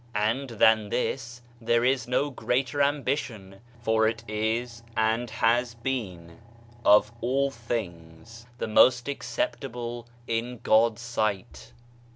And than this, there is no greater ambition, for it is, and has been, of all things, the most acceptable in God's sight.